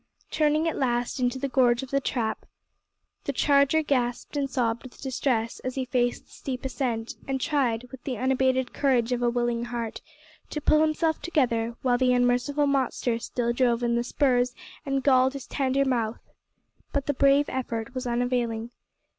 Turning at last into the gorge of the Trap, the charger gasped and sobbed with distress as he faced the steep ascent and tried, with the unabated courage of a willing heart, to pull himself together while the unmerciful monster still drove in the spurs and galled his tender mouth. But the brave effort was unavailing.